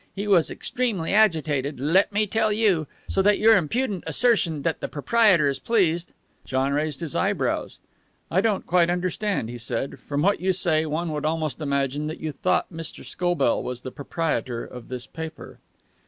He was extremely agitated, let me tell you. So that your impudent assertion that the proprietor is pleased " John raised his eyebrows. "I don't quite understand," he said. "From what you say, one would almost imagine that you thought Mr. Scobell was the proprietor of this paper."